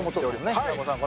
平子さん